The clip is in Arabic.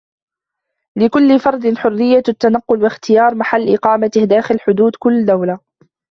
لكل فرد حرية التنقل واختيار محل إقامته داخل حدود كل دولة.